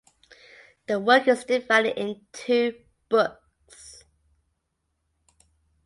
The work is divided in two books.